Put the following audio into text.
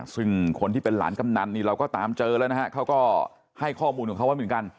ซึ่งคนที่เป็นหลานกำนันนี่เราก็ตามเจอแล้วนะฮะเขาก็ให้ข้อมูลของเขาไว้เหมือนกัน